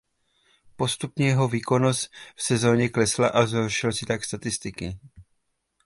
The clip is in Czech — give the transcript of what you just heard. Postupně jeho výkonnost v sezóně klesla a zhoršil si tak statistiky.